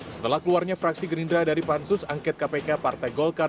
setelah keluarnya fraksi gerindra dari pansus angket kpk partai golkar